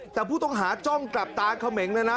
แต่ผู้ต้องหาจ้องกลับตาเขมงเลยนะ